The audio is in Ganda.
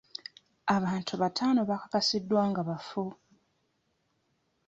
Abantu bataano bakakasiddwa nga bafu.